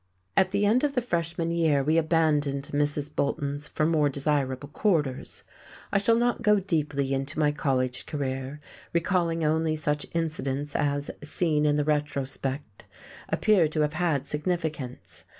At the end of the freshman year we abandoned Mrs. Bolton's for more desirable quarters. I shall not go deeply into my college career, recalling only such incidents as, seen in the retrospect, appear to have had significance.